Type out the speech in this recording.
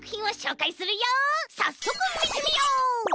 さっそくみてみよう！